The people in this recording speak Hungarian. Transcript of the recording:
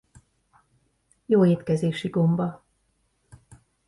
Jó étkezési gomba.